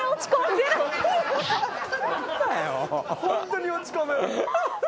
ホントに落ち込む！